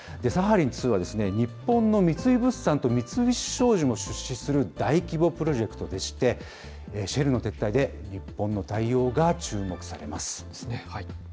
サハリン２は、日本の三井物産と三菱商事も出資する大規模プロジェクトでして、シェルの撤退で、日本の対応が注目されます。